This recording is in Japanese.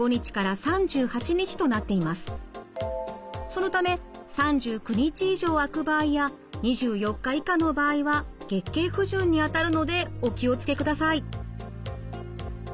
そのため３９日以上空く場合や２４日以下の場合は月経不順にあたるのでお気を付けください。